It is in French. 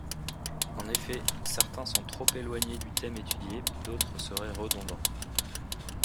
En effet, certains sont trop éloignés du thème étudié, d'autres seraient redondants.